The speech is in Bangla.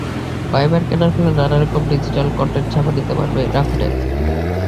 ভাইবার কেনার ফলে নানা রকম ডিজিটাল কনটেন্ট সেবা দিতে পারবে রাকুটেন।